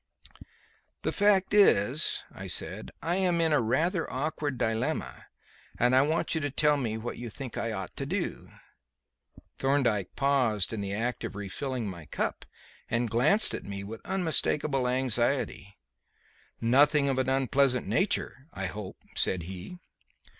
"The fact is," I said, "I am in a rather awkward dilemma, and I want you to tell me what you think I ought to do." Thorndyke paused in the act of refilling my cup and glanced at me with unmistakable anxiety. "Nothing of an unpleasant nature, I hope," said he.